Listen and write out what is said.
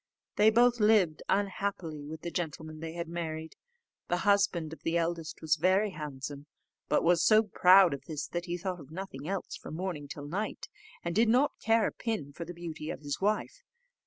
They both lived unhappily with the gentlemen they had married. The husband of the eldest was very handsome, but was so proud of this, that he thought of nothing else from morning till night, and did not care a pin for the beauty of his wife.